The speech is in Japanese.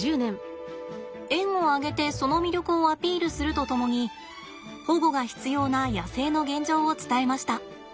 園を挙げてその魅力をアピールするとともに保護が必要な野生の現状を伝えました。